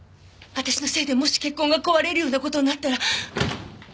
私のせいでもし結婚が壊れるような事になったら。